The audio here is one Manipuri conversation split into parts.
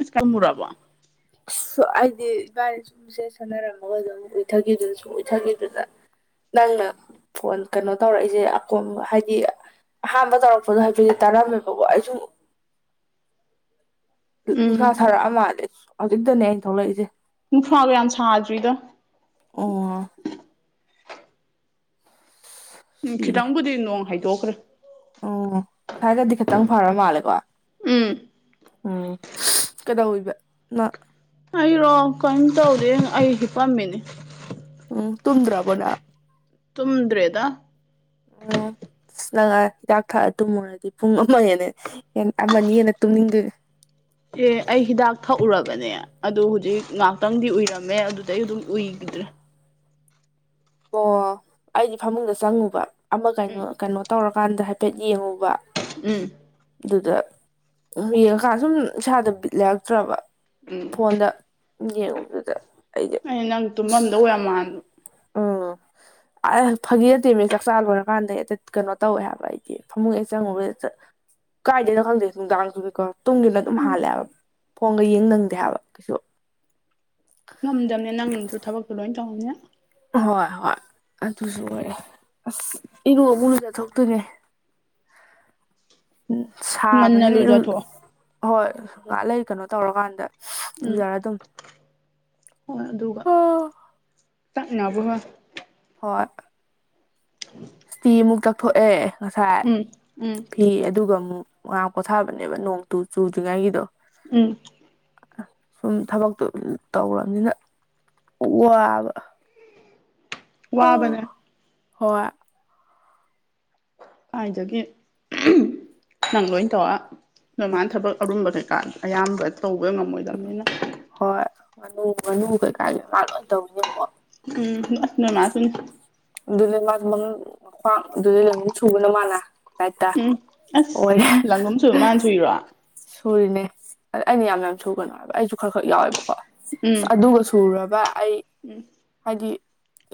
ꯑꯁ ꯀꯜ ꯃꯨꯔꯕꯣ ꯑꯩꯗꯤ ꯒꯥꯔꯤ ꯁꯨꯝ ꯁꯦ ꯁꯥꯟꯅꯔꯝꯃꯒ ꯑꯗꯨꯝ ꯎꯏꯊꯈꯤꯗꯨꯅ ꯁꯨꯡ ꯎꯏꯊꯈꯤꯗꯨꯅ ꯅꯪꯅ ꯐꯣꯟ ꯀꯩꯅꯣ ꯇꯧꯔꯛꯏꯁꯦ ꯍꯥꯏꯗꯤ ꯑꯍꯥꯟꯕ ꯇꯧꯔꯛꯄꯗꯣ ꯍꯥꯏꯕ ꯇꯥꯔꯝꯃꯦꯕ ꯑꯩꯁꯨ ꯎꯝ ꯅꯨꯡꯁꯥ ꯁꯥꯔꯛꯑ ꯃꯥꯂꯦ ꯍꯧꯖꯤꯛꯇꯅꯦ ꯑꯩꯅ ꯊꯣꯛꯂꯛꯏꯁꯦ ꯅꯨꯡꯁꯥꯒ ꯌꯥꯝ ꯁꯥꯗ꯭ꯔꯤꯗ ꯑꯣ ꯎꯝ ꯈꯤꯇꯪꯕꯨꯗꯤ ꯅꯣꯡ ꯍꯥꯏꯗꯣꯛꯈ꯭ꯔꯦ ꯎꯝ ꯉꯁꯥꯏꯒꯗꯤ ꯈꯤꯇꯪ ꯐꯔ ꯃꯥꯜꯂꯦꯀꯣ ꯎꯝ ꯎꯝ ꯀꯩꯗꯧꯋꯤꯕ ꯅꯪ ꯑꯩꯔꯣ ꯀꯩꯝ ꯇꯧꯗꯦ ꯑꯩ ꯍꯤꯟꯄꯝꯃꯤꯅꯤ ꯎꯝ ꯇꯨꯝꯗ꯭ꯔꯕꯣ ꯅꯪ ꯇꯨꯝꯗ꯭꯭ꯔꯦꯗꯥ ꯑꯣ ꯑꯁ ꯅꯪ ꯉꯥꯡ ꯍꯤꯗꯥꯛ ꯊꯛꯑ ꯇꯨꯝꯃꯨꯔꯗꯤ ꯄꯨꯡ ꯑꯃ ꯍꯦꯟꯅ ꯍꯦꯟ ꯑꯃꯅꯤ ꯍꯦꯟꯅ ꯇꯨꯝꯅꯤꯡꯗꯣꯏ ꯑꯦ ꯑꯩ ꯍꯤꯗꯥꯛ ꯊꯛꯎꯔꯕꯅꯦ ꯑꯗꯨ ꯍꯨꯖꯤꯛ ꯉꯥꯛꯇꯪꯗꯤ ꯎꯏꯔꯝꯃꯦ ꯑꯗꯨꯗꯩ ꯑꯗꯨꯝ ꯎꯏꯒꯤꯗ꯭ꯔꯦ ꯑꯣ ꯑꯩꯗꯤ ꯐꯃꯨꯡꯗ ꯆꯪꯉꯨꯕ ꯑꯃ ꯎꯝ ꯀꯩꯅꯣ ꯀꯩꯅꯣ ꯇꯧꯔꯀꯥꯟꯗ ꯍꯥꯏꯐꯦꯠ ꯌꯦꯡꯉꯨꯕ ꯎꯝ ꯑꯗꯨꯗ ꯌꯦꯡꯉꯀꯥꯟ ꯁꯨꯝ ꯏꯁꯥꯗ ꯕꯤꯠ ꯂꯩꯔꯛꯇ꯭ꯔꯕ ꯎꯝ ꯐꯣꯟꯗ ꯌꯦꯡꯉꯨꯕꯗꯨꯗ ꯑꯩꯗꯤ ꯑꯩꯅ ꯅꯪ ꯇꯨꯝꯃꯝꯗꯧ ꯌꯥꯝ ꯃꯥꯟꯕ ꯑꯥꯏ ꯐꯥꯒꯤ ꯅꯠꯇꯦꯃꯤ ꯆꯥꯛꯆꯥ ꯂꯣꯏꯔꯀꯥꯟꯗ ꯍꯦꯛꯇ ꯀꯩꯅꯣ ꯇꯧꯋꯦ ꯍꯥꯏꯕ ꯑꯩꯗꯤ ꯐꯃꯨꯡ ꯍꯦꯛ ꯆꯪꯉꯨꯨꯕꯗ ꯍꯦꯛꯇ ꯀꯥꯏꯗꯩꯅꯣ ꯈꯪꯗꯦ ꯅꯨꯡꯗꯥꯡꯖꯨꯕꯤꯀꯣ ꯇꯨꯡꯒꯤꯕꯅ ꯑꯗꯨꯝ ꯎꯝ ꯍꯥꯜꯂꯦ ꯍꯥꯏꯕ ꯐꯣꯟꯒ ꯌꯦꯡ ꯅꯪꯗꯦ ꯍꯥꯏꯕ ꯀꯩꯁꯨ ꯉꯝꯗꯕꯅꯦ ꯅꯪꯅꯁꯨ ꯊꯕꯛꯇꯣ ꯂꯣꯏ ꯇꯧꯕꯅꯤꯅ ꯑꯍꯣꯏ ꯍꯣꯏ ꯑꯗꯨꯁꯨ ꯑꯣꯏꯔꯦ ꯑꯁ ꯏꯔꯨ ꯑꯃꯨꯛ ꯂꯨꯖꯊꯣꯛꯇꯣꯏꯅꯦ [inaudible] ꯎꯝ ꯉꯟꯅ ꯁꯥꯕꯅꯤꯅ ꯏꯔꯨ ꯂꯨꯖꯊꯣꯛꯑꯣ ꯍꯣꯏ ꯉꯥꯛꯂꯩ ꯀꯩꯅꯣ ꯇꯧꯔꯀꯥꯟꯗ ꯎꯝ ꯑꯗꯨꯖꯥꯔ ꯑꯗꯨꯝ ꯍꯣꯏ ꯑꯗꯨꯒ ꯇꯛꯅꯕ ꯍꯣꯏ ꯍꯣꯏ [inaudible] ꯁ꯭ꯇꯤ ꯑꯃꯨꯛ ꯇꯛꯊꯣꯛꯑꯦ ꯉꯁꯥꯏ ꯎꯝ ꯎꯝ ꯐꯤ ꯑꯗꯨꯒ ꯑꯃꯨꯛ ꯉ꯭ꯋꯥꯛ ꯄꯣꯊꯥꯕꯅꯦꯕ ꯅꯣꯡꯇꯨ ꯆꯨꯗ꯭ꯔꯤꯉꯩꯒꯤꯗꯣ ꯎꯝ ꯁꯨꯝ ꯊꯕꯛꯇꯣ ꯇꯧꯔꯝꯅꯤꯅ ꯋꯥꯕ ꯋꯥꯕꯅꯦ ꯍꯣꯏ ꯀꯥꯏꯗꯒꯤ ꯅꯪ ꯂꯣꯏ ꯇꯧꯔ ꯅꯣꯏ ꯃꯥꯅ ꯊꯕꯛ ꯑꯔꯨꯝꯕ ꯀꯩꯀꯥ ꯑꯌꯥꯝꯕ ꯇꯧꯕꯩ ꯉꯝꯃꯣꯏꯗꯕꯅꯤꯅ ꯍꯣꯏ ꯉꯥꯅꯨ ꯉꯥꯅꯨ ꯀꯩꯀꯥꯒꯤ ꯃꯥ ꯂꯣꯏ ꯇꯧꯔꯤꯅꯦ ꯑꯃꯨꯛ ꯎꯝ ꯅꯣꯏ ꯃꯥꯁꯨꯅꯤ ꯑꯗꯨꯅꯦ ꯃꯥꯖꯨ ꯃꯝ ꯃꯈ꯭ꯋꯥꯡ ꯑꯗꯨꯗꯩ ꯂꯩꯃꯟ ꯁꯨꯕꯅ ꯃꯥꯅ ꯍꯥꯏꯠꯇ ꯎꯝ ꯑꯁ ꯑꯣꯏꯔꯦ ꯂꯪꯒꯝ ꯁꯨꯕ ꯃꯥꯅ ꯁꯨꯏꯔꯣ ꯁꯨꯔꯤꯅꯦ ꯑꯗ ꯑꯩꯅ ꯌꯥꯝ ꯌꯥꯝ ꯁꯨꯒꯅꯨ ꯍꯥꯏꯕ ꯑꯩꯁꯨ ꯈꯔ ꯈꯔꯠ ꯌꯥꯎꯋꯦꯕꯀꯣ ꯎꯝ ꯑꯁ ꯑꯗꯨꯒ ꯇꯨꯔꯕ ꯑꯩ ꯎꯝ ꯍꯥꯏꯗꯤ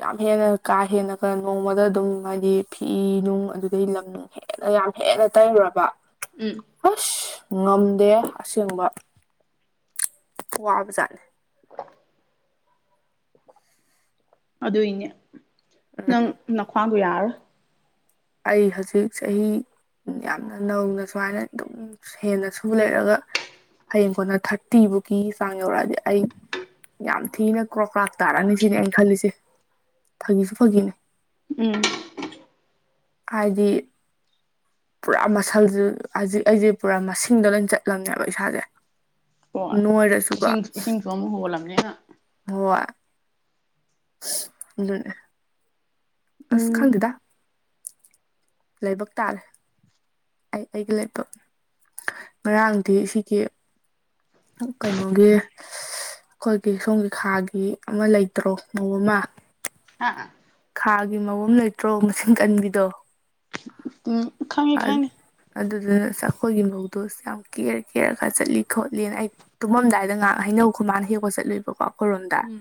ꯌꯥꯝ ꯍꯦꯟꯅ ꯀꯥ ꯍꯦꯟꯅ ꯀ ꯅꯣꯡꯃꯗ ꯑꯗꯨꯝ ꯍꯥꯏꯗꯤ ꯐꯤ ꯅꯨꯡ ꯑꯗꯨꯗꯩ ꯂꯝꯅꯨꯡ ꯍꯦꯟꯅ ꯌꯥꯝ ꯍꯦꯟꯅ ꯇꯩꯔꯨꯔꯕ ꯎꯝ ꯑꯁ ꯉꯝꯗꯦ ꯑꯁꯦꯡꯕ ꯋꯥꯕꯖꯥꯠꯅꯤ ꯑꯗꯨꯏꯅꯦ ꯅꯪ ꯎꯝ ꯅꯈ꯭ꯋꯥꯡꯗꯣ ꯌꯥꯔꯔꯣꯏ ꯑꯩ ꯍꯧꯖꯤꯛ ꯆꯍꯤ ꯌꯥꯝꯅ ꯅꯧꯅ ꯁꯨꯃꯥꯏꯅ ꯑꯗꯨꯝ ꯍꯦꯟꯅ ꯁꯨ ꯂꯩꯔꯒ ꯍꯌꯦꯡ ꯀꯣꯟꯅ ꯊꯥꯔꯇꯤꯕꯨꯛꯀꯤ ꯆꯥꯡ ꯌꯧꯔꯛꯑꯗꯤ ꯑꯩ ꯌꯥꯝ ꯊꯤꯅ ꯀ꯭ꯔꯣ ꯀ꯭ꯔꯥꯛ ꯇꯥꯔꯛꯑꯅꯤ ꯁꯤꯅꯦ ꯑꯩꯅ ꯈꯜꯂꯤꯁꯦ ꯐꯥꯒꯤꯁꯨ ꯐꯥꯒꯤꯅꯦ ꯎꯝ ꯍꯥꯏꯗꯤ ꯄꯨꯔꯥ ꯃꯁꯜꯁꯦ ꯍꯧꯖꯤꯛ ꯑꯩꯁꯦ ꯄꯨꯔꯥ ꯃꯁꯤꯡꯗ ꯂꯣꯏꯅ ꯆꯠꯂꯝꯅꯦꯕ ꯏꯁꯥꯁꯦ ꯅꯣꯏꯔꯁꯨꯀꯣ ꯇꯨꯝꯕ ꯍꯧꯒꯠꯂꯥꯕꯅꯤꯅ ꯍꯣꯏ ꯑꯁ ꯑꯗꯨꯅꯤ ꯑꯁ ꯈꯪꯗꯦꯗ ꯂꯥꯏꯕꯛ ꯇꯥꯔꯦ ꯑꯩ ꯑꯩꯒꯤ ꯂꯦꯕꯇꯣ ꯉꯔꯥꯡꯗꯤ ꯁꯤꯒꯤ ꯀꯩꯅꯣꯒꯤ ꯑꯩꯈꯣꯏꯒꯤ ꯁꯣꯝꯒꯤ ꯈꯥꯒꯤ ꯑꯃ ꯂꯩꯇ꯭ꯔꯣ ꯃꯧ ꯑꯃ ꯍꯥ ꯈꯥꯒꯤ ꯃꯧ ꯑꯃ ꯂꯩꯇ꯭ꯔꯣ ꯃꯆꯤꯟ ꯀꯟꯕꯤꯗꯣ ꯎꯝ ꯈꯪꯉꯦ ꯈꯪꯉꯦ ꯑꯗꯨꯗꯨꯅ ꯑꯁ ꯑꯩꯈꯣꯏꯒꯤ ꯃꯧꯗꯣ ꯌꯥꯝ ꯀꯦꯔ ꯀꯦꯔꯒ ꯆꯠꯂꯤ ꯈꯣꯠꯂꯤꯅ ꯑꯩ ꯇꯨꯝꯃꯝꯗꯥꯏꯗ ꯉꯥꯏꯍꯥꯛ ꯍꯩꯅꯧ ꯈꯨꯃꯥꯅ ꯍꯦꯛꯄ ꯆꯠꯂꯨꯏꯕꯀꯣ ꯑꯩꯈꯣꯏꯔꯣꯝꯗ ꯎꯝ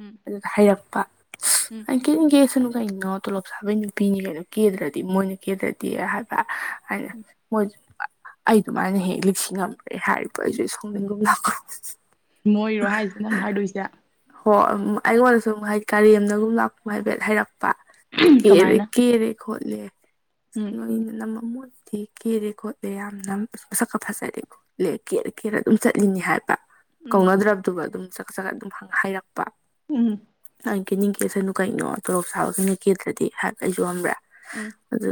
ꯎꯝ ꯑꯗꯨꯗ ꯍꯥꯏꯔꯛꯄ ꯎꯝ ꯀꯦꯅꯤꯡ ꯀꯦꯁꯅꯨ ꯀꯩꯅꯣ ꯇꯣꯂꯣꯞ ꯆꯥꯕꯩ ꯅꯨꯄꯤꯅꯤ ꯀꯩꯅꯣ ꯀꯦꯗ꯭ꯔꯗꯤ ꯃꯣꯏꯅ ꯀꯦꯗ꯭ꯔꯗꯤ ꯍꯥꯏꯕ ꯑꯩꯅ ꯃꯣꯏ ꯑꯩ ꯑꯗꯨꯃꯥꯏꯅ ꯍꯦꯛ ꯂꯤꯛꯁꯤꯉꯝ꯭ꯔꯦ ꯍꯥꯏꯕ ꯑꯩꯁꯨ ꯁꯥꯎꯅꯤꯡꯒꯨꯝ ꯂꯥꯛꯀꯨꯝ ꯃꯣꯏꯔꯣ ꯍꯥꯏꯁꯦ ꯅꯪ ꯍꯥꯏꯗꯣꯏꯁꯦ ꯍꯣ ꯑꯩꯉꯣꯟꯗ ꯁꯨꯝ ꯍꯥꯏꯗꯤ ꯀꯔꯦꯝꯅꯒꯨꯝ ꯂꯥꯛꯄꯒꯨꯝ ꯍꯥꯏꯐꯦꯠ ꯍꯥꯏꯔꯛꯄ ꯀꯦꯔꯦ ꯀꯃꯥꯏꯅ ꯀꯦꯔꯦ ꯈꯣꯠꯂꯦ ꯎꯝ ꯅꯣꯏ ꯅꯃꯧꯗꯤ ꯀꯦꯔꯦ ꯈꯣꯠꯂꯦ ꯌꯥꯝꯅ ꯃꯁꯛꯀ ꯐꯖꯔꯦ ꯈꯣꯠꯂꯦ ꯀꯦꯔ ꯀꯦꯔ ꯑꯗꯨꯝ ꯆꯠꯂꯤꯅꯤ ꯍꯥꯏꯕ ꯎꯝ ꯀꯧꯅꯗ꯭ꯔꯕꯗꯨꯕꯨ ꯑꯗꯨꯝ ꯆꯠ ꯆꯒꯠ ꯑꯗꯨꯝ ꯍꯥꯏꯔꯛꯄ ꯎꯝ ꯑꯩ ꯀꯦꯅꯤꯡ ꯀꯦꯁꯅꯨ ꯀꯩꯅꯣ ꯇꯣꯂꯣꯞ ꯆꯥꯕꯒꯤ ꯀꯦꯗ꯭ꯔꯗꯤ ꯍꯥꯏꯕ ꯑꯩꯁꯨ ꯈꯪꯕ꯭ꯔꯥ ꯎꯝ ꯑꯗꯨ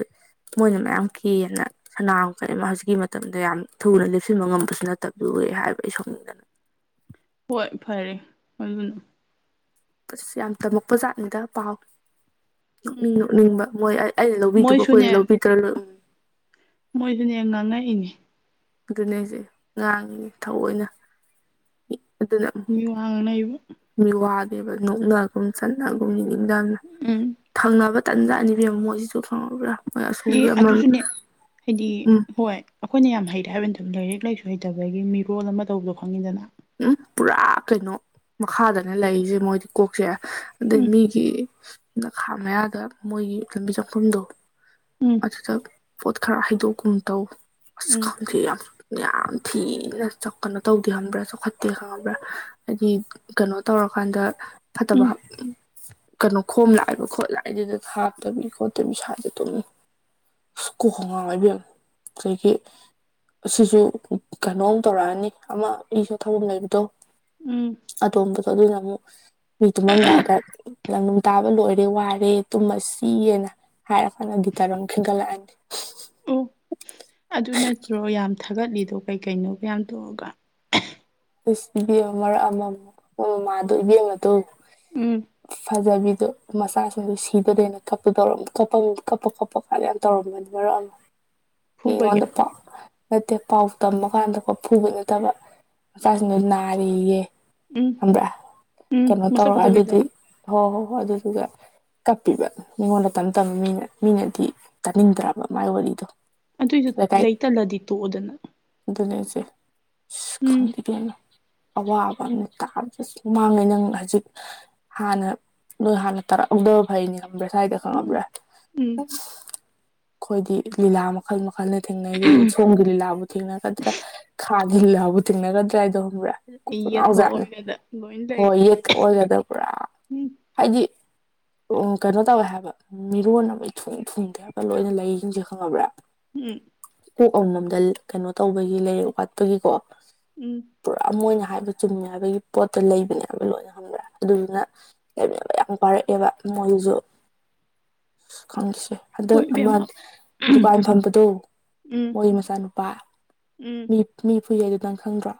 ꯃꯣꯏꯅ ꯃꯌꯥꯝ ꯀꯦꯅ ꯁꯅꯥ ꯀꯩ ꯑꯃ ꯍꯧꯖꯤꯛꯀꯤ ꯃꯇꯝꯗ ꯌꯥꯝ ꯊꯨꯅ ꯂꯦꯞꯁꯤꯟꯕ ꯉꯝꯕꯁꯨ ꯅꯠꯇꯕꯗꯨ ꯍꯥꯏꯕ ꯑꯩ ꯁꯥꯎꯅꯤꯡꯗꯅ ꯍꯣꯏ ꯐꯔꯦ ꯑꯗꯨꯅ ꯑꯁ ꯌꯥꯝ ꯇꯝꯃꯛꯄ ꯖꯥꯠꯅꯤꯗ ꯄꯥꯎ ꯅꯣꯛꯅꯤꯡ ꯎꯝ ꯅꯣꯛꯅꯤꯡꯕ ꯃꯣꯏ ꯑꯩꯅ ꯂꯧꯕꯤꯗꯨꯕ ꯑꯩꯈꯣꯏꯅ ꯂꯧꯕꯗ꯭ꯔ ꯂꯣꯏꯔꯦ ꯃꯣꯏꯗꯨꯅꯦ ꯉꯥꯡꯉꯛꯏꯅꯦ ꯑꯗꯨꯅꯦ ꯍꯥꯏꯁꯦ ꯉꯥꯡꯉꯤ ꯊꯑꯣꯏꯅ ꯃꯤꯋꯥ ꯉꯥꯡꯅꯩꯕ ꯃꯤꯋꯥꯗꯤꯕ ꯅꯣꯛꯅꯒꯨꯝ ꯆꯠꯅꯒꯨꯝ ꯌꯦꯡꯅꯤꯡꯗꯕꯅ ꯎꯝ ꯊꯪꯅꯕ ꯇꯟꯖꯥꯇꯅꯤ ꯏꯕꯦꯝꯃꯥ ꯃꯣꯏꯁꯤꯁꯨ ꯈꯪꯉꯕ꯭ꯔꯥ ꯑꯦ ꯑꯗꯨꯁꯨꯅꯦ ꯍꯥꯏꯗꯤ ꯎꯝ ꯍꯣꯏ ꯑꯩꯈꯣꯏꯅ ꯌꯥꯝ ꯍꯩꯔꯦ ꯍꯥꯏꯕꯩ ꯅꯠꯇꯕ ꯂꯥꯏꯔꯤꯛ ꯂꯥꯏꯁꯨ ꯍꯩꯇꯕꯒꯤ ꯃꯤꯔꯣꯜ ꯑꯃ ꯇꯧꯕꯗꯣ ꯈꯪꯉꯤꯗꯅ ꯎꯝ ꯄꯨꯔꯥ ꯀꯩꯅꯣ ꯃꯈꯥꯗꯅꯦ ꯂꯩꯔꯤꯁꯦ ꯃꯣꯏꯗꯤ ꯀꯣꯛꯁꯦ ꯑꯗꯩ ꯎꯝ ꯃꯤꯒꯤ ꯌꯦꯅꯈꯥ ꯃꯌꯥꯗ ꯃꯣꯏꯒꯤ ꯂꯝꯕꯤ ꯆꯪꯐꯝꯗꯣ ꯎꯝ ꯑꯗꯨꯗ ꯄꯣꯠ ꯈꯔ ꯍꯩꯗꯣꯛꯒꯨꯝ ꯇꯧ ꯑꯁ ꯎꯝ ꯈꯪꯗꯦ ꯌꯥꯝ ꯌꯥꯝ ꯊꯤꯅ ꯀꯩꯅꯣ ꯇꯧꯗꯦ ꯈꯪꯕꯔ꯭ ꯈꯣꯠꯇꯦ ꯈꯪꯉꯕ꯭ꯔꯥ ꯍꯥꯏꯗꯤ ꯀꯩꯅꯣ ꯇꯧꯔꯀꯥꯟꯗ ꯐꯠꯇꯕ ꯎꯝ ꯀꯩꯅꯣ ꯈꯣꯝ ꯂꯥꯛꯏꯕ ꯈꯣꯠꯂꯥꯛꯏꯗꯨꯗ ꯊꯥꯛꯇꯕꯤ ꯈꯣꯠꯇꯕꯤ ꯁ꯭ꯋꯥꯏꯗ ꯑꯗꯨꯝ ꯁꯨꯀꯣꯛ ꯀ ꯉꯥꯎꯏ ꯏꯕꯦꯝꯃ ꯑꯗꯒꯤ ꯁꯤꯁꯨ ꯀꯩꯅꯣꯝ ꯇꯧꯔꯛꯑꯅꯤ ꯑꯃ ꯑꯩꯁꯨ ꯊꯧꯔꯝ ꯂꯩꯕꯗꯣ ꯎꯝ ꯑꯇꯣꯝꯕꯗꯣ ꯑꯗꯨꯅ ꯑꯃꯨꯛ ꯃꯤ ꯇꯨꯝꯃꯝꯗꯥꯏꯗ ꯂꯪꯅꯨꯡ ꯇꯥꯕ ꯂꯣꯏꯔꯦ ꯋꯥꯔꯦ ꯇꯨꯝꯃꯁꯤꯌꯦꯅ ꯍꯥꯏꯔ ꯐꯅ ꯇꯔꯝꯈꯤꯒꯂꯅꯤ ꯑꯣ ꯑꯗꯨ ꯅꯠꯇ꯭ꯔꯣ ꯌꯥꯝ ꯊꯥꯒꯠꯂꯤꯗꯣ ꯀꯩꯀꯩꯅꯣ ꯀꯌꯥꯝ ꯇꯧꯔꯒ ꯑꯁ ꯏꯕꯦꯝ ꯃꯔꯛ ꯑꯃꯃ ꯃꯃꯥꯗꯣ ꯏꯕꯦꯝꯦꯝ ꯑꯗꯣ ꯎꯝ ꯐꯖꯕꯤꯗꯣ ꯃꯆꯥꯁꯤꯡꯗꯨꯣ ꯁꯤꯗꯗꯣꯏꯅ ꯀꯞꯄꯗꯧꯔ ꯀꯞꯄ ꯀꯞꯄ ꯀꯣꯞꯄ ꯑ ꯌꯥꯝ ꯇꯧꯔꯝꯃꯅꯤ ꯃꯔꯛ ꯑꯃ ꯎ [unintelligible] [inaudible] ꯃꯤꯉꯣꯟꯗ ꯄꯥꯎ ꯅꯠꯇꯦ ꯄꯥꯎ ꯇꯃ ꯀꯥꯟꯗꯀꯣ ꯐꯨꯕ ꯅꯠꯇꯕ ꯎꯝ ꯃꯆꯥꯁꯤꯡꯗꯨ ꯅꯥꯔꯤꯌꯦ ꯎꯝ ꯑꯃ꯭ꯔ ꯎꯝ ꯀꯩꯅꯣ ꯃꯁꯛ ꯇꯧꯔ ꯐꯖꯕꯤꯗꯣ ꯑꯗꯨꯗꯤ ꯍꯣꯏ ꯍꯣꯏ ꯍꯣꯏ ꯑꯗꯨꯗꯨꯒ ꯀꯞꯄꯤꯕ ꯃꯤꯉꯣꯟꯗ ꯇꯞ ꯇꯅ ꯃꯤꯅ ꯃꯤꯅꯗꯤ ꯇꯥꯅꯤꯡꯗ꯭ꯔꯕ ꯃꯥꯏ ꯋꯥꯔꯤꯗꯣ ꯑꯗꯨꯏꯁꯨ ꯂꯩꯇꯜꯂꯗꯤ ꯇꯣꯛꯑꯣꯗꯅ ꯑꯗꯨꯅꯁꯦ ꯎꯝ ꯈꯪꯕꯤꯗꯅ ꯑꯋꯥꯕ ꯑꯃꯅ ꯇꯥꯕꯗꯁꯨ ꯃꯥꯡꯉꯦ ꯅꯪ ꯍꯧꯖꯤꯛ ꯍꯥꯟꯅ ꯅꯣꯏ ꯍꯥꯟꯅ ꯇꯥꯔꯛꯍꯧꯗꯕ ꯐꯩꯅꯤ ꯈꯪꯕ꯭ꯔꯥ ꯁ꯭ꯋꯥꯏꯗ ꯈꯪꯉꯕ꯭ꯔꯥ ꯎꯝ ꯑꯩꯈꯣꯏꯗꯤ ꯂꯤꯂꯥ ꯃꯈꯜ ꯃꯈꯜꯅ ꯊꯦꯡꯅꯩꯁꯦ ꯁꯣꯝꯒꯤ ꯂꯤꯂꯥꯕꯨ ꯊꯦꯡꯅꯒꯗ꯭ꯔꯥ ꯈꯥꯗꯤꯜꯂꯥꯕꯨ ꯊꯦꯡꯅꯒꯗ꯭ꯔꯥ ꯍꯥꯏꯗꯣꯕ꯭ꯔꯥ ꯌꯦꯠꯀ ꯅꯥꯎꯖꯥꯠꯅꯦ ꯑꯣꯏꯒꯗ ꯂꯣꯏ ꯂꯩ ꯍꯣꯏ ꯌꯦꯠꯀ ꯑꯣꯏꯒꯗꯕ ꯄꯨꯔꯥ ꯎꯝ ꯍꯥꯏꯗꯤ ꯎꯝ ꯀꯩꯅꯣ ꯇꯧꯋꯦ ꯍꯥꯏꯕ ꯃꯤꯔꯣꯟ ꯑꯃ ꯏ ꯊꯨꯡ ꯊꯨꯡꯗꯦ ꯍꯥꯏꯕ ꯂꯣꯏꯅ ꯂꯩꯁꯤꯡꯁꯦ ꯈꯪꯉꯕ꯭ꯔꯥ ꯎꯝ ꯀꯣꯛ ꯑꯃꯃꯝꯗ ꯀꯩꯅꯣ ꯇꯧꯕꯒꯤ ꯂꯩꯔꯛ ꯋꯥꯠꯄꯒꯤꯀꯣ ꯎꯝ ꯄꯨꯔꯥ ꯃ ꯑꯣꯏꯅ ꯍꯥꯏꯕ ꯆꯨꯝꯃꯤ ꯍꯥꯏꯕꯒꯤ ꯄꯣꯠꯇꯣ ꯂꯩꯕꯅꯦꯕ ꯂꯣꯏꯅ ꯈꯪꯕ꯭ꯔꯦ ꯑꯗꯨꯗꯨꯅ ꯂꯩꯃꯤꯟꯅꯕ ꯌꯥꯝ ꯋꯥꯔꯛꯑꯦꯕ ꯃꯣꯏꯁꯨ ꯈꯪꯁꯦ ꯍꯟꯗꯛ ꯍꯣꯏ ꯑꯃ ꯏꯕꯦꯝꯃ ꯗꯨꯀꯥꯟ ꯐꯝꯕꯗꯣ ꯎꯝ ꯃꯣꯏꯒꯤ ꯃꯆꯥꯅꯨꯄꯥ ꯎꯝ ꯃꯤ ꯃꯤ ꯐꯨꯏꯌꯦ ꯑꯗꯨ ꯅꯪ ꯈꯪꯗ꯭ꯔꯣ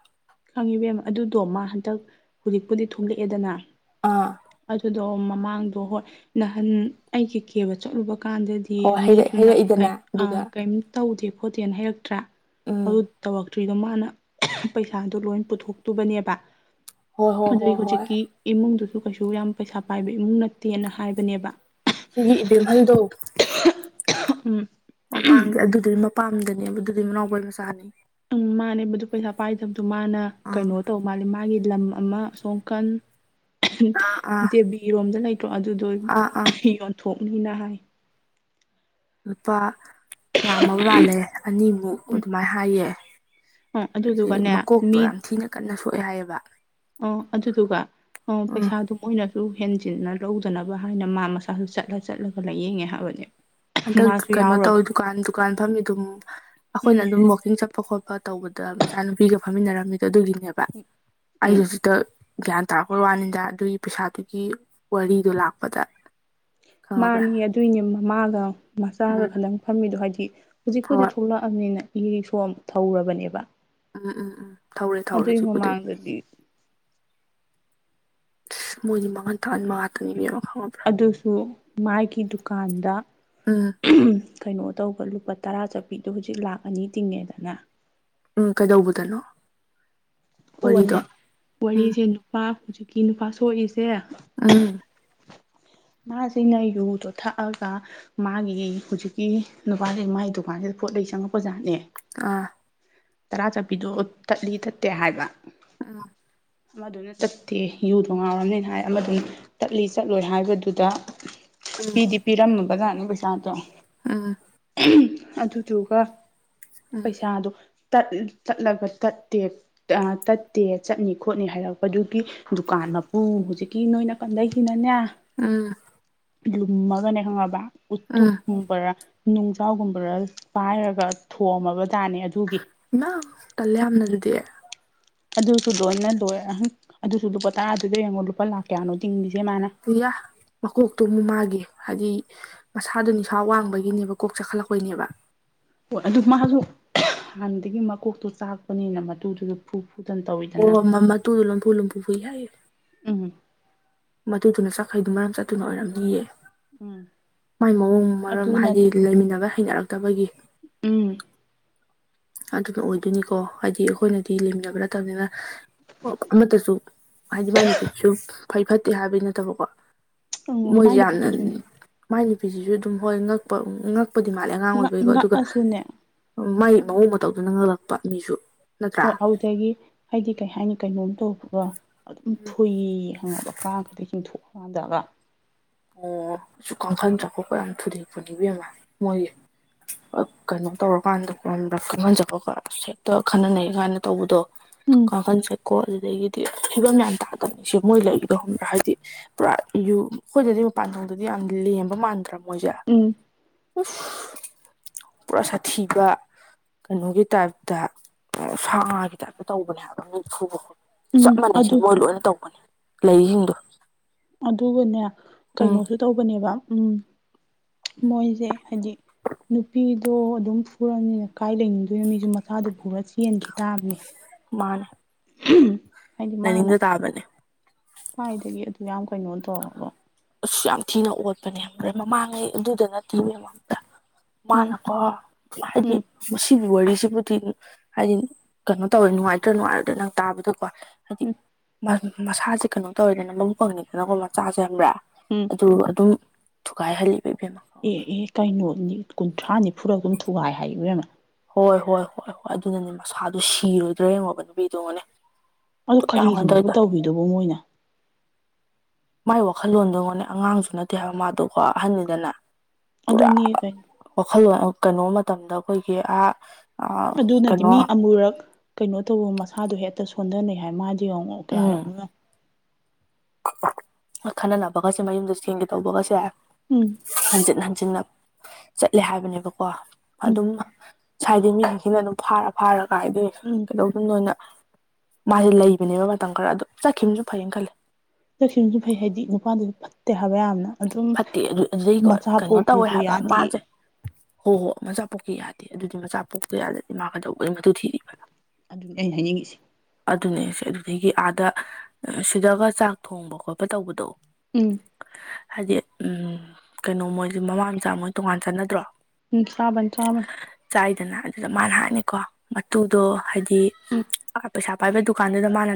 ꯈꯪꯉꯤꯕꯦꯝ ꯑꯗꯨꯗꯣ ꯃꯥ ꯍꯟꯇꯛ ꯍꯧꯖꯤꯛꯄꯨꯗꯤ ꯊꯣꯛꯂꯛꯑꯦꯗꯅ ꯑꯥ ꯑꯗꯨꯗꯣ ꯃꯃꯥꯡꯗꯣ ꯍꯣꯏ ꯅꯍꯥꯟ ꯑꯩꯒꯤ ꯀꯦꯕ ꯆꯠꯂꯨꯕ ꯀꯥꯟꯗ ꯍꯣꯏ ꯌꯦꯡ ꯍꯩꯔꯛ ꯃꯤꯗꯨꯅ ꯍꯩꯔꯛꯏꯗꯅ ꯀꯩꯝ ꯑꯗꯨꯗ ꯑꯩ ꯀꯩꯝ ꯇꯧꯗꯦ ꯈꯣꯠꯇꯦꯅ ꯍꯥꯏꯩꯔꯛꯇ꯭ꯔꯥ ꯑꯗꯨ ꯎꯝ ꯇꯧꯔꯛꯇ꯭ꯔꯤꯗꯣ ꯃꯥꯅ ꯄꯩ ꯊꯥꯗꯣ ꯂꯣꯏ ꯄꯨꯊꯣꯛꯇꯨꯕꯅꯦꯕ ꯍꯣꯏ ꯍꯣꯏ ꯑꯗꯨꯏ ꯍꯣꯏ ꯍꯣꯏ ꯍꯧꯖꯤꯛꯀꯤ ꯏꯃꯨꯡꯗꯨꯁꯨ ꯀꯩꯁꯨ ꯌꯥꯝ ꯄꯩꯁꯥ ꯄꯥꯏꯕ ꯏꯃꯨꯡ ꯅꯠꯇꯦꯅ ꯍꯥꯏꯕꯅꯦꯕ ꯁꯤꯒꯤ ꯏꯕꯦꯝꯍꯜꯗꯣ ꯎꯝ [unintelligible] [inaudible] ꯃꯃꯥꯡꯒꯤ ꯑꯗꯨꯗꯨꯗꯤ ꯃꯄꯥꯝꯗꯅꯦ ꯑꯗꯨꯗꯨꯗꯤ ꯃꯅꯥꯎꯕꯏ ꯃꯆꯥꯅꯤ ꯎꯝ ꯃꯥꯅꯦꯕꯗꯨ ꯄꯩꯁꯥ ꯄꯥꯏꯗꯕꯗꯨꯣ ꯃꯥꯅ ꯑꯥ ꯀꯩꯅꯣ ꯇꯧ ꯃꯥꯜꯂꯤ ꯃꯥꯒꯤ ꯂꯝ ꯑꯃ ꯑꯁꯣꯝ ꯀꯟ ꯑꯥ ꯑꯥ ꯇꯦꯕꯤꯔꯣꯝꯗ ꯂꯩꯇ꯭ꯔꯣ ꯑꯗꯨꯗꯣ ꯑꯥ ꯑꯥ ꯌꯣꯟꯊꯣꯛꯅꯤꯅ ꯍꯥꯏ ꯂꯨꯄꯥ ꯌꯥꯝꯃꯕ ꯃꯥꯥꯜꯂꯦ ꯑꯅꯤꯃꯨꯛ ꯑꯗꯨꯃꯥꯏꯅ ꯍꯥꯏꯌꯦ ꯑ ꯑꯗꯨ ꯑꯗꯨꯗꯨꯒꯅꯦ ꯃꯀꯣꯛꯇꯣ ꯌꯥꯝ ꯊꯤꯅ ꯀꯟꯅ ꯁꯣꯛꯑꯦ ꯍꯥꯏꯌꯦꯕ ꯑꯣ ꯑꯗꯨꯗꯨꯒ ꯑ ꯎꯝ ꯄꯩꯁꯥꯗꯨ ꯑꯣꯏꯅꯁꯨ ꯍꯦꯟꯖꯤꯟꯅ ꯂꯧꯗꯅꯕ ꯍꯥꯏꯅ ꯃꯥ ꯃꯁꯥꯁꯨ ꯆꯠꯂ ꯆꯠꯂꯒ ꯂꯥꯏꯌꯦꯡꯉꯦ ꯍꯥꯏꯕꯅꯦ ꯍꯟꯗꯛ ꯃꯥꯁꯨ ꯀꯩꯅꯣ ꯇꯧꯋ ꯌꯥꯎꯔꯒ ꯗꯨꯀꯥꯟ ꯗꯨꯀꯥꯟ ꯐꯝꯃꯤ ꯑꯗꯨꯝ ꯑꯩꯈꯣꯏꯅ ꯎꯝ ꯑꯗꯨꯝ ꯋꯀꯤꯡ ꯆꯠ ꯆꯠꯄ ꯈꯣꯠꯄ ꯇꯧꯕꯗ ꯃꯆꯥꯅꯨꯄꯤꯒ ꯐꯝꯃꯤꯟꯅꯔꯝꯃꯤꯗꯣ ꯑꯗꯨꯒꯤꯅꯦꯕ ꯑꯩꯁꯨ ꯎꯝ ꯍꯧꯖꯤꯛꯇ ꯒ꯭ꯌꯥꯟ ꯇꯥꯔꯛꯄ ꯋꯥꯅꯤꯗ ꯑꯗꯨꯒꯤ ꯄꯩꯁꯥꯗꯨꯒꯤ ꯋꯥꯔꯤꯗꯣ ꯂꯥꯛꯄꯗ ꯈꯪꯉꯕ꯭ꯔꯥ ꯃꯥꯅꯤ ꯑꯗꯨꯏꯅꯦ ꯃꯃꯥꯒ ꯃꯆꯥꯒ ꯎꯝ ꯈꯟꯇꯪ ꯐꯝꯃꯤꯗꯣ ꯍꯥꯏꯗꯤ ꯍꯧꯖꯤꯛꯄꯨꯗꯤ ꯍꯣꯏ ꯊꯣꯛꯂꯛꯑꯕꯅꯤꯅ ꯏꯔꯤ ꯁꯣ ꯊꯧꯔꯕꯅꯦꯕ ꯎꯝ ꯎꯝ ꯎꯝ ꯊꯧꯔꯦ ꯊꯧꯔꯦ ꯑꯗꯨꯒꯤ ꯍꯧꯖꯤꯛꯕꯨꯗꯤꯛ ꯃꯃꯥꯡꯗꯗꯤ ꯃꯣꯏꯗꯤ ꯃꯉꯥꯟ ꯇꯥꯟꯕ ꯉꯥꯛꯇꯅꯤ ꯃꯤ ꯑꯃ ꯈꯪꯉꯕ꯭ꯔ ꯑꯗꯨꯁꯨ ꯃꯥꯒꯤ ꯗꯨꯀꯥꯟꯗ ꯎꯝ [unintelligible] [inaudible] ꯀꯩꯅꯣ ꯇꯧꯕ ꯂꯨꯄꯥ ꯇꯔꯥ ꯆꯠꯄꯤꯗꯣ ꯍꯧꯖꯤꯛ ꯂꯥꯛ ꯑꯅꯤ ꯇꯤꯡꯉꯦꯗꯅ ꯎꯝ ꯀꯩꯗꯧꯕꯗꯅꯣ ꯑꯣꯅꯦ ꯋꯥꯔꯤꯗꯣ ꯎꯝ ꯋꯥꯔꯤꯁꯦ ꯅꯨꯄꯥ ꯍꯧꯖꯤꯛꯀꯤ ꯅꯨꯄꯥ ꯁꯣꯛꯏꯁꯦ ꯑ [unintelligible] [inaudible] ꯃꯥꯁꯤꯅ ꯌꯨꯗꯣ ꯊꯛꯑꯒ ꯃꯥꯒꯤ ꯍꯧꯖꯤꯛꯀꯤ ꯅꯨꯄꯥꯁꯤ ꯃꯥꯒꯤ ꯗꯨꯀꯥꯟꯁꯤꯗ ꯄꯣꯠꯂꯩ ꯆꯪꯉꯛꯄ ꯖꯥꯠꯅꯦ ꯑꯥ ꯇꯔꯥ ꯆꯠꯄꯤꯗꯣ ꯊꯠꯂꯤ ꯇꯠꯇꯦ ꯍꯥꯏꯕ ꯎꯝ [unintelligible] [inaudible] ꯑꯃꯗꯨꯅ ꯆꯠꯇꯦ ꯌꯨꯗꯣ ꯉꯥꯎꯔꯕꯝꯅꯤꯅ ꯍꯥꯏ ꯑꯃꯗꯨꯅ ꯆꯠꯂꯤ ꯆꯠꯂꯣꯏ ꯍꯥꯏꯕꯗꯨ ꯑꯗ ꯎꯝ ꯄꯤꯗꯤ ꯄꯤꯔꯝꯃꯕꯖꯥꯠꯅꯦ ꯄꯩꯁꯥꯗꯣ ꯎꯝ ꯑꯗꯨꯗꯨꯒ ꯎꯝ ꯄꯩꯁꯥꯗꯣ ꯇꯠꯂꯒ ꯇꯠꯇꯦ ꯇꯠꯇꯦ ꯆꯠꯅꯤ ꯈꯣꯠꯅꯤ ꯍꯥꯏꯔꯛꯄꯗꯨꯒꯤ ꯗꯨꯀꯥꯟ ꯃꯄꯨ ꯍꯧꯖꯤꯛꯀꯤ ꯅꯣꯏꯅ ꯀꯟꯗꯩꯁꯤꯅꯅꯦ ꯎꯝ ꯂꯨꯝꯃꯒꯅꯦ ꯈꯪꯉꯕ ꯎꯠꯇꯨꯞ ꯎꯝ ꯕꯔ ꯅꯨꯡꯖꯥꯎꯒꯨꯝꯕꯔ ꯄꯥꯏꯔꯒ ꯊꯣꯝꯃꯕ ꯖꯥꯠꯅꯦ ꯑꯗꯨꯒꯤ ꯏꯃꯥ ꯇꯜꯂꯦ ꯌꯥꯝꯅ ꯑꯗꯨꯗꯤ ꯑꯗꯨꯁꯨ ꯂꯣꯏꯅ ꯂꯣꯏꯔꯦꯍꯪ ꯑꯗꯨꯁꯨ ꯂꯨꯄꯥ ꯇꯔꯥꯗꯨꯗ ꯌꯦꯡꯉꯣ ꯂꯨꯄꯥ ꯂꯥꯛ ꯀꯌꯥꯅꯣ ꯇꯤꯡꯂꯤꯁꯦ ꯃꯥꯅ ꯄꯨꯌꯥ ꯃꯀꯣꯛꯇꯣ ꯃꯨꯃꯥꯒꯤ ꯍꯥꯏꯗꯤ ꯃꯁꯥꯗꯣ ꯅꯤꯁꯥ ꯋꯥꯡꯕꯒꯤꯅꯦꯕ ꯀꯣꯛ ꯆꯥꯈꯠꯂꯛꯄꯩꯅꯦꯕ ꯍꯣꯏ ꯑꯗꯨ ꯃꯥꯁꯨ ꯍꯥꯟꯅꯗꯒꯤ ꯃꯀꯣꯛꯇꯣ ꯆꯥꯛꯄꯅꯤꯅ ꯃꯇꯨꯗꯨꯁꯨ ꯐꯨ ꯐꯨꯗꯅ ꯇꯧꯏ ꯑꯣ ꯃꯃ ꯇꯨꯗꯣ ꯂꯨꯝꯕꯐꯨ ꯂꯨꯝꯐꯨ ꯐꯨꯏ ꯍꯥꯏꯌꯦ ꯎꯝ ꯃꯗꯨꯅ ꯆꯈꯩꯗꯨ ꯃꯔꯝ ꯆꯠ ꯑꯗꯨꯨꯅ ꯑꯣꯏꯔꯝꯅꯤꯌꯦ ꯎꯝ ꯃꯥꯏ ꯃꯑꯣꯡ ꯃꯔꯝ ꯍꯥꯏꯗꯤ ꯑꯗꯨꯅꯅꯦ ꯂꯩꯃꯤꯟꯅꯕ ꯍꯩꯅꯔꯛꯇꯕꯒꯤ ꯎꯝ ꯑꯗꯨꯅ ꯑꯣꯏꯗꯣꯏꯅꯤꯀꯣ ꯍꯥꯏꯗꯤ ꯑꯩꯈꯣꯏꯅꯗꯤ ꯂꯦꯝꯅꯕ ꯅꯠꯇꯕꯅꯤꯅ ꯑꯣ ꯑꯃꯠꯇꯁꯨ ꯍꯥꯏꯗꯤ ꯃꯥꯏ ꯅꯨ ꯐꯤꯠꯁꯨ ꯐꯩ ꯐꯠꯇꯦ ꯍꯥꯏꯕꯩ ꯅꯠꯇꯕꯀꯣ ꯎꯝ ꯃꯣꯏꯁꯦ ꯃꯥꯏ ꯌꯥꯝꯅ ꯅꯨꯄꯤꯗꯨꯁꯨꯅꯦ ꯃꯥꯏ ꯅꯨꯄꯤꯁꯤꯁꯨ ꯑꯗꯨꯝ ꯍꯣꯏ ꯉꯛꯄ ꯀꯛꯄꯗꯤ ꯃꯥꯜꯂꯦ ꯑꯉꯥꯡ ꯉꯛ ꯑꯣꯏꯕꯩꯀꯣ ꯑꯗꯨꯒ ꯉꯛꯑꯁꯨꯅꯦ ꯃꯥꯏ ꯃꯑꯣꯡ ꯃꯇꯧꯗꯨꯅ ꯉꯜꯂꯛꯄ ꯃꯤꯁꯨ ꯅꯠꯇ꯭ꯔꯥ ꯍꯣꯏ ꯑꯗꯨꯗꯒꯤ ꯍꯥꯏꯗꯤ ꯀꯩ ꯍꯥꯏꯅꯤ ꯀꯩꯅꯣꯝ ꯇꯧꯕ꯭ꯔꯣ ꯑꯗꯨꯝ ꯐꯨꯏ ꯍꯪꯉꯕ ꯀꯥ ꯈꯛꯇ ꯆꯤꯡꯊꯣꯛꯑꯀꯥꯟꯗꯒ ꯑꯣ ꯁꯨꯛ ꯈꯪ ꯈꯪꯗ꯭ꯔꯒꯨꯝꯕ꯭ꯔ ꯊꯨꯗꯦꯛꯄꯅꯤ‌ ꯏꯕꯦꯝꯃ ꯃꯣꯏꯒꯤ ꯀꯩꯅꯣ ꯇꯧꯔꯀꯥꯟꯗ ꯀ ꯈꯪꯍꯟꯖꯕꯒ ꯍꯦꯛꯇ ꯈꯟꯅ ꯅꯩꯅꯩ ꯀꯥꯏꯅ ꯇꯧꯕꯗꯣ ꯎꯝ ꯋꯥꯈꯟꯁꯦꯀꯣ ꯑꯗꯨꯗꯒꯤꯗꯤ ꯐꯤꯕꯝ ꯌꯥꯝ ꯇꯥꯗꯕꯅꯤꯁꯦ ꯃꯣꯏ ꯂꯩꯕꯗꯧ ꯈꯕ꯭ꯔꯥ ꯍꯥꯏꯗꯤ ꯄꯨꯔꯥ ꯌ ꯑꯩꯈꯣꯏꯗꯗꯤ ꯃꯄꯥꯟꯗꯣꯡꯗꯗꯤ ꯌꯥꯝ ꯂꯦꯝꯕ ꯃꯥꯟꯗ꯭ꯔꯥ ꯃꯣꯏꯁꯦ ꯎꯝ ꯎ ꯄꯨꯔꯥ ꯁꯥꯊꯤꯕ ꯀꯩꯅꯣꯒꯤ ꯇꯥꯏꯞꯇ ꯁꯥ ꯉꯥꯒꯤ ꯇꯥꯏꯞꯇ ꯇꯧꯕꯅꯦ ꯍꯥꯏꯕ ꯃꯤ ꯈꯨꯨꯕ ꯈꯣꯠꯄ ꯆꯞ ꯎꯝ ꯃꯥꯟꯅꯩꯁꯦ ꯑꯗꯨ ꯃꯣꯏ ꯂꯣꯏꯅ ꯇꯧꯕꯅꯦ ꯂꯩꯔꯤꯁꯤꯡꯗꯣ ꯑꯗꯨꯕꯨꯅꯦ ꯎꯝ ꯀꯩꯅꯣꯁꯨ ꯇꯧꯕꯅꯦꯕ ꯎꯝ ꯃꯣꯏꯁꯦ ꯍꯥꯏꯗꯤ ꯅꯨꯄꯤꯗꯣ ꯑꯗꯨꯝ ꯄꯨꯔꯑꯅꯤꯅ ꯀꯥꯏ ꯂꯩꯅꯤꯡꯗꯣꯏꯅꯣ ꯃꯤꯁꯨ ꯃꯆꯥꯗꯨꯣ ꯄꯨꯔ ꯆꯦꯟꯈꯤ ꯇꯥꯕꯅꯤ ꯃꯥꯅꯦ ꯎꯝ ꯂꯥꯏꯅꯤꯡꯗꯣ ꯇꯥꯕꯅꯦ ꯈ꯭ꯋꯥꯏꯗꯒꯤ ꯑꯗꯨ ꯌꯥꯝ ꯀꯩꯅꯣ ꯇꯧꯔꯕ ꯑ ꯌꯥꯝ ꯊꯤꯅ ꯑꯣꯠꯄꯅꯦ꯭ꯔꯦ ꯃꯃꯥꯡꯉꯩ ꯑꯗꯨꯗ ꯅꯠꯇꯦ ꯃ ꯃ ꯎꯝ ꯃꯥꯅꯀꯣ ꯍꯥꯏꯗꯤ ꯎꯝ ꯃꯁꯤꯒꯤ ꯋꯥꯔꯤꯁꯤꯕꯨꯗꯤ ꯍꯥꯏꯗꯤ ꯀꯩꯅꯣ ꯇꯧꯋꯦ ꯅꯨꯡꯉꯥꯏꯇ꯭ꯔ ꯅꯨꯡꯉꯥꯏꯔꯗ꯭ꯔ ꯅꯪ ꯇꯥꯕꯗꯀꯣ ꯍꯥꯏꯗꯤ ꯎꯝ ꯃꯁꯥꯁꯦ ꯀꯩꯅꯣ ꯇꯧꯋꯦꯗꯅ ꯃꯕꯨ ꯐꯪꯉꯤꯗꯅꯀꯣ ꯃꯆꯥꯁꯦ ꯍꯕ꯭ꯔꯥ ꯎꯝ ꯑꯗꯨ ꯑꯗꯨꯝ ꯊꯨꯒꯥꯏꯍꯜꯂꯤꯕꯕꯅꯣ ꯑꯦ ꯑꯦ ꯀꯩꯅꯣ ꯀꯨꯟꯊ꯭ꯔꯥ ꯅꯤꯐꯨꯔ ꯑꯗꯨꯝ ꯊꯨꯒꯥꯏ ꯍꯥꯏꯦꯝꯃ ꯍꯣꯏ ꯍꯣꯏ ꯍꯣꯏ ꯍꯣꯏ ꯑꯗꯨꯅꯅꯦ ꯃꯁꯥꯗꯨ ꯁꯤꯔꯨꯗ꯭ꯔꯥ ꯌꯦꯡꯉꯣꯕ ꯅꯨꯄꯤꯗꯨꯣꯉꯅꯦ ꯑꯗꯨ ꯀꯔꯤꯒꯤꯅꯣꯕꯨ ꯇꯧꯕꯤꯗꯨꯕ ꯃꯣꯏꯅ ꯃꯥꯥꯏ ꯋꯥꯈꯜꯂꯣꯟꯗ ꯉꯣꯟꯅꯦ ꯑꯉꯥꯡꯁꯨ ꯅꯠꯇꯦ ꯍꯥꯏꯕ ꯃꯥꯗꯣꯀꯣ ꯑꯍꯟꯅꯤꯗꯅ ꯄꯨꯔꯥ ꯑꯗꯨꯅꯦ ꯀꯩꯅꯣ ꯋꯥꯈꯜꯂꯣꯟ ꯀꯩꯅꯣ ꯃꯇꯝꯗ ꯑꯩꯈꯣꯏꯒꯤ ꯑ ꯑꯗꯨꯅꯗꯤ ꯃꯤ ꯑꯃꯨꯔꯛ ꯀꯩꯅꯣ ꯇꯧꯕ ꯃꯁꯥꯗꯣ ꯍꯦꯛꯇ ꯁꯣꯟꯊꯅꯩ ꯍꯥꯏ ꯃꯥ ꯇ ꯌꯦꯡꯉꯛ ꯎꯝ ꯀꯌꯥꯔꯛꯅꯣ [inaudible] ꯈꯟꯅꯅꯕꯒꯁꯦ ꯃꯌꯨꯝꯗ ꯆꯦꯡꯒꯦ ꯇꯧꯕꯒꯁꯦ ꯎꯝ ꯍꯟꯖꯤꯟ ꯍꯟꯖꯤꯟꯅ ꯆꯠꯂꯦ ꯍꯥꯏꯕꯅꯦꯕꯀꯣ ꯎꯝ ꯑꯗꯨꯝ ꯁꯥꯏꯗꯤ ꯃꯤꯁꯤꯅ ꯑꯗꯨꯝ ꯐꯥꯔ ꯐꯥꯔ ꯀꯥꯏꯗꯣꯏ ꯎꯝ ꯀꯩꯗꯧꯗ ꯅꯅ ꯃꯥꯁꯦ ꯂꯩꯕꯅꯦꯕ ꯃꯇꯝ ꯈꯔ ꯑꯗꯨ ꯆꯠꯈꯤꯕꯁꯨ ꯐꯩꯅ ꯈꯜꯂꯦ ꯆꯛꯁꯤꯡꯕꯁꯨ ꯐꯩ ꯍꯥꯏꯗꯤ ꯅꯨꯄꯥꯗꯨꯁꯨ ꯐꯠꯇꯦ ꯍꯥꯏꯕ ꯌꯥꯝꯅ ꯑꯗꯨꯝ ꯐꯠꯇꯦ ꯑꯗꯨ ꯑꯗꯨꯩꯀꯣ ꯃꯆꯥ ꯀꯩꯅꯣ ꯇꯧꯋꯦ ꯄꯣꯛꯈꯤꯁꯨ ꯍꯥꯏꯕ ꯌꯥꯗꯦ ꯃꯥꯁꯦ ꯍꯣ ꯍꯣ ꯃꯆꯥ ꯄꯣꯛꯀꯤ ꯌꯥꯗꯦ ꯑꯗꯨꯗꯤ ꯃꯆꯥ ꯄꯣꯛꯇ ꯌꯥꯗꯗꯤ ꯃꯥꯒꯗꯧꯕꯒꯤ ꯃꯇꯨ ꯊꯤꯔꯤ ꯑꯗꯨꯅꯤ ꯑꯩꯅ ꯍꯥꯏꯅꯤꯡꯉꯁꯤ ꯑꯗꯨꯅꯦ ꯁꯤꯦ ꯑꯗꯨꯗꯒꯤ ꯑꯥꯗ ꯁꯤꯗꯒ ꯆꯥꯛ ꯊꯣꯡꯕ ꯈꯣꯠꯄ ꯇꯧꯕꯗꯣ ꯎꯝ [unintelligible] [inaudible] ꯍꯥꯏꯗꯤ ꯎꯝ ꯀꯩꯅꯣ ꯃꯣꯏꯁꯦ ꯃꯃꯥ ꯃꯆꯥ ꯃꯣꯏ ꯇꯣꯉꯥꯟ ꯆꯠꯅꯗ꯭ꯔꯣ ꯎꯝ ꯆꯥꯕꯟ ꯆꯥꯕꯟ ꯆꯥꯏꯗꯅ ꯑꯗꯨꯗ ꯃꯥꯅ ꯍꯥꯏꯅꯤꯀꯣ ꯃꯇꯨꯗꯣ ꯍꯥꯏꯗꯤ ꯎꯝ ꯄꯩꯁꯥ ꯄꯥꯏꯕ ꯗꯨꯀꯥꯟꯗꯨꯗ ꯃꯥꯅ